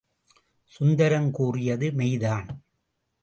சுந்தரம் கூறியது மெய்தான்.